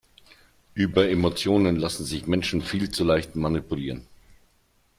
Über Emotionen lassen sich Menschen viel zu leicht manipulieren.